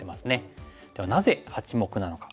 ではなぜ８目なのか。